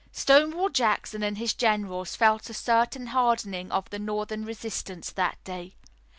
Stonewall Jackson and his generals felt a certain hardening of the Northern resistance that day.